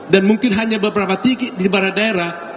dan mungkin hanya beberapa titik di mana daerah